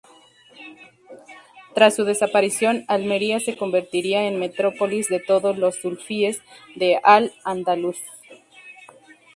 Tras su desaparición, Almería se convertiría en metrópolis de todos los sufíes de al-Ándalus.